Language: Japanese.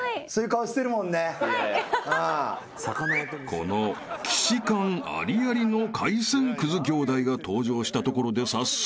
［この既視感ありありの海鮮クズ兄弟が登場したところで早速］